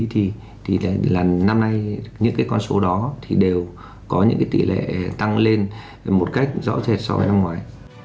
thì lần năm nay những con số đó đều có những tỷ lệ tăng lên một cách rõ ràng so với năm ngoái